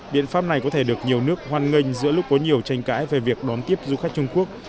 biện pháp này có thể được nhiều nước hoan nghênh giữa lúc có nhiều tranh cãi về việc đón tiếp du khách trung quốc